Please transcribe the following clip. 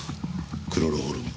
クロロホルム。